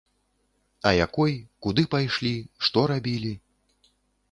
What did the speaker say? А якой, куды пайшлі, што рабілі.